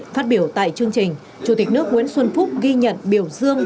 phát biểu tại chương trình chủ tịch nước nguyễn xuân phúc ghi nhận biểu dương